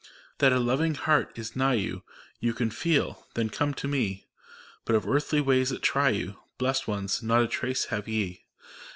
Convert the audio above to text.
That a loving heart is nigh you You can feel : then come to me ! But of earthly ways that try you. Blest ones! not a trace have ye.